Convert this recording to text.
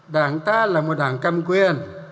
đảng ta là một đảng cầm quyền